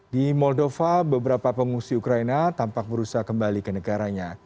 di moldova beberapa pengungsi ukraina tampak berusaha kembali ke negaranya